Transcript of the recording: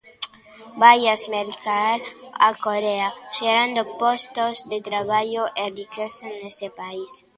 "Vaillas mercar a Corea, xerando postos de traballo e riqueza nese país".